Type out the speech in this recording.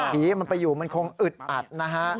ผีมันไปอยู่มันคงอึดอัดนะฮะ